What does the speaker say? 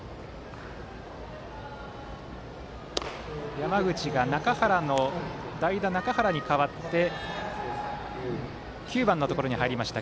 山口が代打・中原に代わって９番のところに入りました。